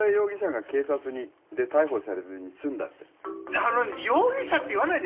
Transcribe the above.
あのね容疑者って言わないで！